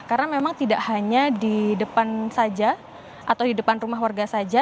karena memang tidak hanya di depan saja atau di depan rumah warga saja